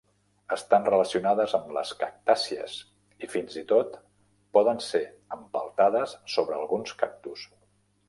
Estan relacionades amb les cactàcies i fins i tot poden ser empeltades sobre alguns cactus.